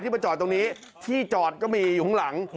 มาจอดตรงนี้ที่จอดก็มีอยู่ข้างหลัง